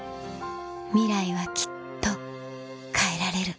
ミライはきっと変えられる